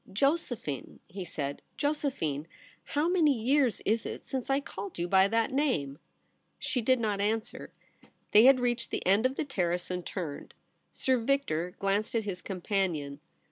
' Josephine,' he said. ' Josephine ! How ox THE TERRACE. 45 many years is it since I called you by that name ?' She did not answer. They had reached the end of the Terrace and turned. Sir Victor glanced at his companion.